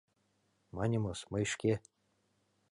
Маньымыс, мый шке...